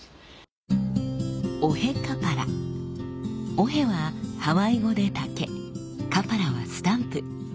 「オヘ」はハワイ語で「竹」「カパラ」は「スタンプ」。